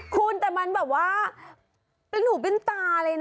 คุณแต่มันแบบว่าเป็นหูเป็นตาเลยนะ